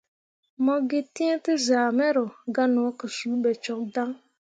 Mo gǝ tǝ̃ǝ̃ tezyah mero, gah no ke suu bo cok dan.